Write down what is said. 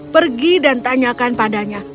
pergi dan tanyakan padanya